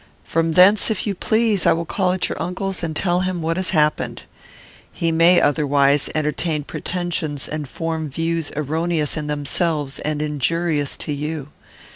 From thence, if you please, I will call at your uncle's, and tell him what has happened. He may, otherwise, entertain pretensions and form views erroneous in themselves and injurious to you.